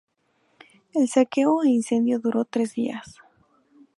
El saqueo e incendio duró tres días.